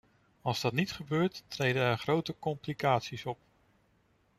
Als dat niet gebeurt, treden er grote complicaties op.